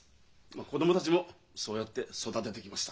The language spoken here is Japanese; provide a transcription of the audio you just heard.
子供たちもそうやって育ててきました。